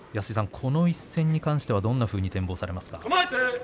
この一戦に関してはどんなふうに展望されますか。